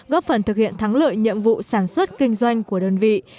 góp phần thực hiện thắng lợi nhiệm vụ sản xuất kinh doanh của đơn vị